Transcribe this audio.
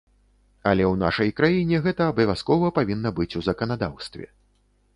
Але ў нашай краіне гэта абавязкова павінна быць у заканадаўстве.